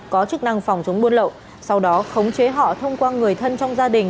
có chức năng phòng chống buôn lậu sau đó khống chế họ thông qua người thân trong gia đình